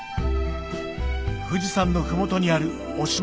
富士山の麓にある忍野